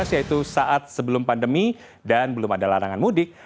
yaitu saat sebelum pandemi dan belum ada larangan mudik